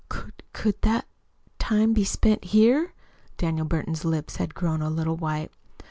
"Could could that time be spent here?" Daniel Burton's lips had grown a little white.